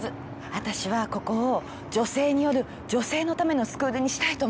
私はここを女性による女性のためのスクールにしたいと思ってるの。